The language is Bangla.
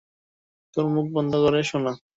তোর মুখ বন্ধ করে শোন।